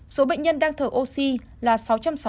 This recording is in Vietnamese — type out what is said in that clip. hai số bệnh nhân đang thở oxy là sáu trăm sáu mươi bốn ca